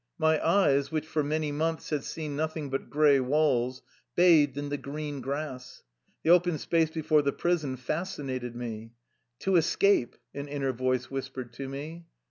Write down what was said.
My eyes, which for many months had seen nothing but gray walls, bathed in the green grass. The open space before the prison fascinated me. " To escape,'^ an inner voice whispered to me.